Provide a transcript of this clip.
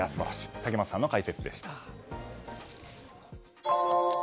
竹俣さんの解説でした。